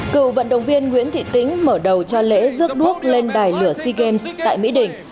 cựu vận động viên nguyễn thị tĩnh mở đầu cho lễ rước đuốc lên đài lửa sea games tại mỹ đình